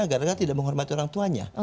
gara gara tidak menghormati orang tuanya